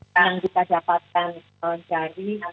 yang kita dapatkan dari